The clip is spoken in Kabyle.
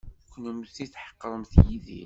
Kennemti tḥeqremt Yidir.